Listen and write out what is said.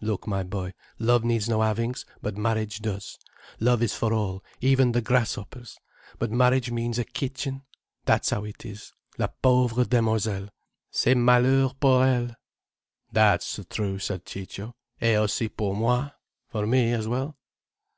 Look, my boy, love needs no havings, but marriage does. Love is for all, even the grasshoppers. But marriage means a kitchen. That's how it is. La pauvre demoiselle; c'est malheur pour elle." "That's true," said Ciccio. "Et aussi pour moi. For me as well."